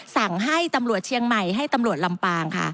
สั่งให้ตำรวจเชียงใหม่ให้ตำรวจลำปางค่ะ